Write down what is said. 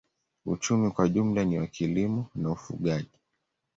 Uchumi kwa jumla ni wa kilimo na ufugaji.